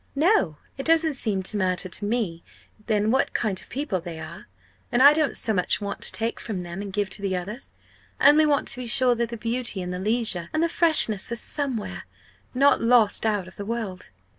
"No! it doesn't seem to matter to me then what kind of people they are. And I don't so much want to take from them and give to the others. I only want to be sure that the beauty, and the leisure, and the freshness are _some_where not lost out of the world."